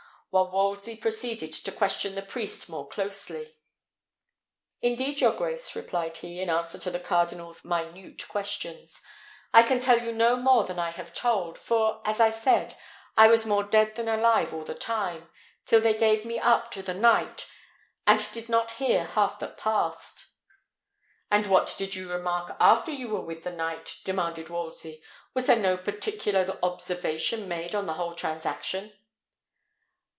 while Wolsey proceeded to question the priest more closely. "Indeed, your grace," replied he, in answer to the cardinal's more minute questions, "I can tell you no more than I have told; for, as I said, I was more dead than alive all the time, till they gave me up to the knight, and did not hear half that passed." "And what did you remark after you were with the knight?" demanded Wolsey. "Was there no particular observation made on the whole transaction?"